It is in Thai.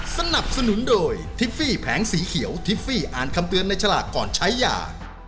สนับสนุนโดยทิฟฟี่แผงสีเขียวทิฟฟี่อ่านคำเตือนในฉลากก่อนใช้ยา